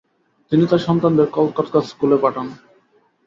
তিনি তার সন্তানদের কলকাতার স্কুলে পাঠান।